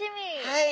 はい！